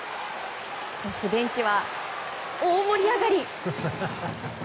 そしてベンチは大盛り上がり！